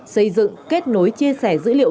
xây dựng kết nối chia sẻ dữ liệu